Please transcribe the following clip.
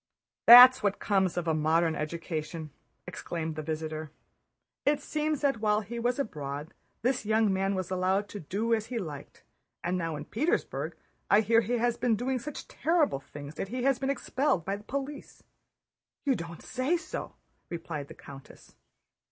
"That's what comes of a modern education," exclaimed the visitor. "It seems that while he was abroad this young man was allowed to do as he liked, now in Petersburg I hear he has been doing such terrible things that he has been expelled by the police." "You don't say so!" replied the countess.